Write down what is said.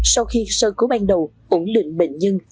sau khi sơ cứu ban đầu ổn định bệnh nhân